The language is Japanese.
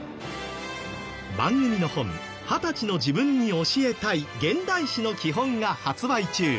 番組の本『２０歳の自分に教えたい現代史のきほん』が発売中。